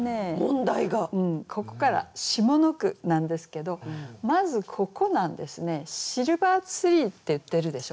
ここから下の句なんですけどまずここなんですね「シルバーツリー」って言ってるでしょ。